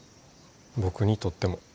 僕にとっても。